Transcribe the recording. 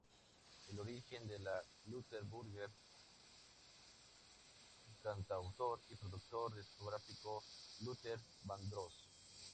El origen de la "Luther Burger" cantautor y productor discográfico Luther Vandross.